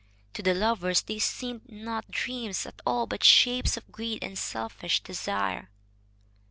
To the lovers they seemed not dreams at all, but shapes of greed and selfish desire.